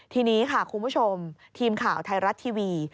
ทีนี้ค่ะคุณผู้ชมทีมข่าวไทยรัฐทีวี